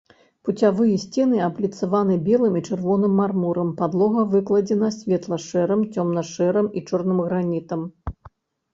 Пуцявыя сцены абліцаваны белым і чырвоным мармурам, падлога выкладзена светла-шэрым, цёмна-шэрым і чорным гранітам.